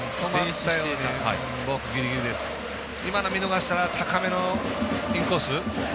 今の見逃したら高めのインコース。